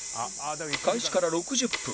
開始から６０分